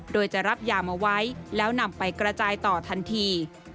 โดยจะรับยามาไว้แล้วนำไปกระจายต่อทันที